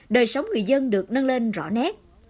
đời sống người dân được nâng lên rõ nét